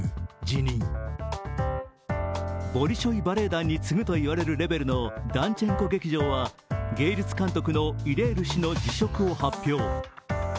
ボリショイ・バレエ団に次ぐといわれるレベルのダンチェンコ劇場は芸術監督のイレール氏の辞職を発表。